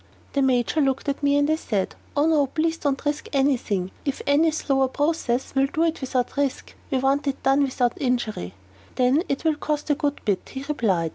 The Major looked at me, and I said, "Oh no; please not to risk any thing, if any slower process will do it without risk. We want it done without injury." "Then it will cost a good bit," he replied.